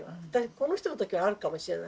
この人の時はあるかもしれないけど。